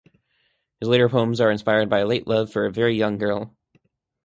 His later poems are inspired by a late love for a very young girl.